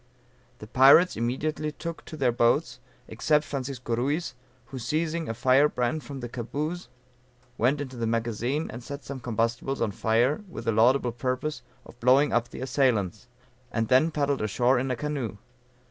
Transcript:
The pirates immediately took to their boats, except Francisco Ruiz who seizing a fire brand from the camboose went into the magazine and set some combustibles on fire with the laudable purpose of blowing up the assailants, and then paddled ashore in a canoe.